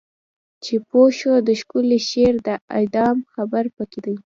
چې پوه شو د ښکلی شعر د اعدام خبر پکې دی